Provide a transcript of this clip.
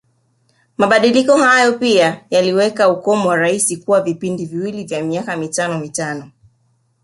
Mabadiliko hayo pia yaliweka ukomo wa Rais kuwa vipindi viwili vya miaka mitano mitano